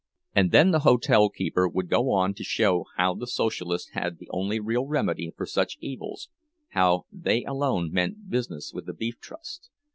And then the hotel keeper would go on to show how the Socialists had the only real remedy for such evils, how they alone "meant business" with the Beef Trust.